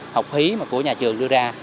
học khí của nhà trường đưa ra